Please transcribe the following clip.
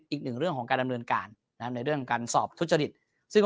อีกหนึ่งเรื่องของการดำเนินการนะครับในเรื่องการสอบทุจริตซึ่ง